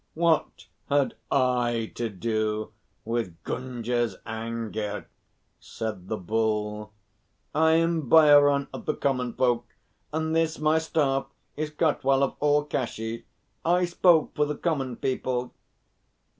"What had I to do with Gunga's anger?" said the Bull. "I am Bhairon of the Common Folk, and this my staff is Kotwal of all Kashi. I spoke for the Common People."